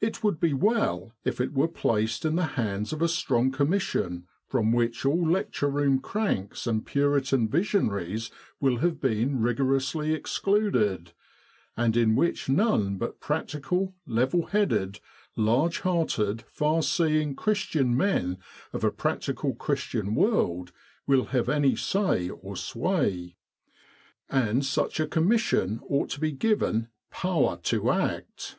It would be well if it were placed in the hands of a strong Commission from which all lecture room cranks and Puritan visionaries will have been rigor ously excluded, and in which none but practical, level headed, large hearted, far seeing Christian men of a practical Christian world will have any say or sway. And such a Commission ought to be given power to act.